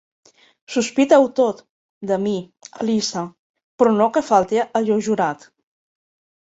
Sospita-ho tot, de mi, Elisa, però no que falte a allò jurat.